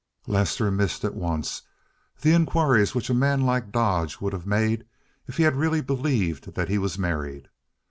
Lester missed at once the inquiries which a man like Dodge would have made if he had really believed that he was married.